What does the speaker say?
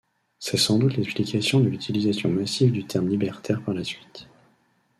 C'est sans doute l'explication de l'utilisation massive du terme libertaire par la suite.